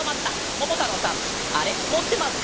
ももたろうさんあれもってますか？